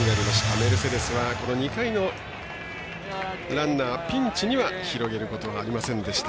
メルセデスはこの２回のランナーピンチには広げることはありませんでした。